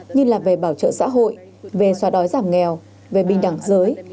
như là về bảo trợ xã hội về xóa đói giảm nghèo về bình đẳng giới